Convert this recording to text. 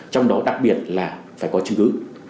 trong đó đặc biệt là phải có chứng cứ